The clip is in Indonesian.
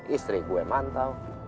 istri gue mantau